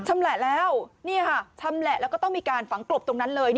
ชำแหละแล้วนี่ค่ะชำแหละแล้วก็ต้องมีการฝังกลบตรงนั้นเลย